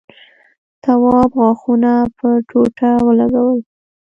تواب غاښونه پر ټوټه ولگول.